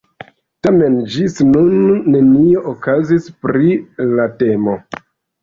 Tamen ĝis nun nenio okazis pri la temo.